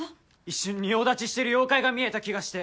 一瞬仁王立ちしてる妖怪が見えた気がして。